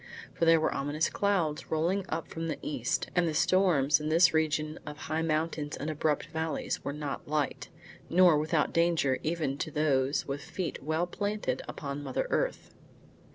For there were ominous clouds rolling up from the east, and the storms in this region of high mountains and abrupt valleys were not light, nor without danger even to those with feet well planted upon mother earth.